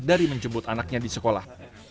dari menjemput anaknya di sekolah